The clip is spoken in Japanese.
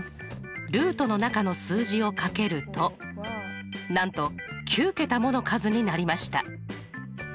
ルートの中の数字を掛けるとなんと９桁もの数になりました。